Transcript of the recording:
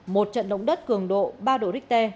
một trận động đất cường độ ba độ richter